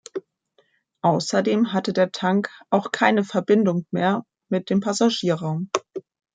Außerdem hatte der Tank auch keine Verbindung mehr mit dem Passagierraum.